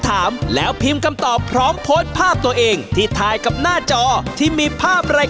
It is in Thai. อย่าลืมเซลฟี่กับหน้าจอทีวีด้วยนะคะ